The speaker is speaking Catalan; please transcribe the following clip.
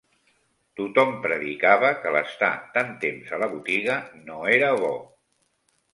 Tot-hom predicava, que l'estar tant temps a la botiga no era bo